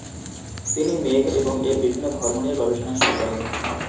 তিনি মেঘ এবং এর বিভিন্ন ধর্ম নিয়ে গবেষণা শুরু করেন।